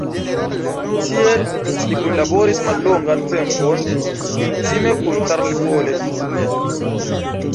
Tie li kunlaboris mallongan tempon intime kun Karl Follen.